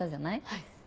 はい。